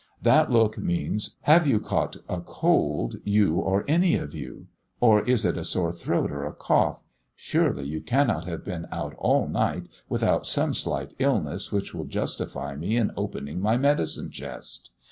That look means, "Have you caught a cold, you or any of you? Or is it a sore throat or a cough! Surely you cannot have been out all night without some slight illness which will justify me in opening my medicine chest?"